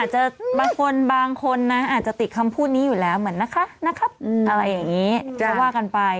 อะไรอย่างนี้จะว่ากันไป